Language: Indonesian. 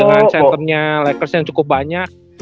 dengan centernya rekerts yang cukup banyak